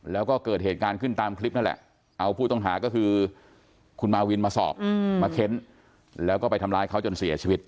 แล้วก็เกิดเหตุการณ์ขึ้นตามคลิปนั่นแหละเอาผู้ต้องหาก็คือคุณมาวินมาสอบมาเค้นแล้วก็ไปทำร้ายเขาจนเสียชีวิต